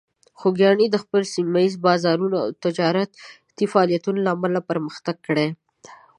خوږیاڼي د خپل سیمه ییز بازارونو او تجارتي فعالیتونو له امله پرمختګ کړی.